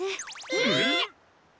えっ！？